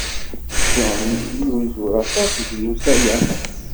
John yuzur aṭas drus aya.